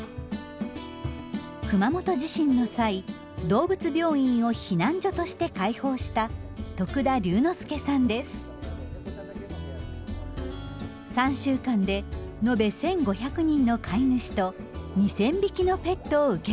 熊本地震の際動物病院を避難所として開放した３週間で延べ１，５００人の飼い主と２，０００匹のペットを受け入れました。